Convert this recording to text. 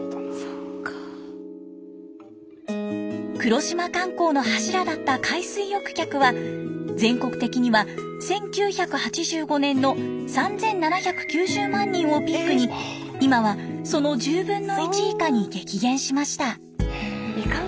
黒島観光の柱だった海水浴客は全国的には１９８５年の３，７９０万人をピークに今はその１０分の１以下に激減しました。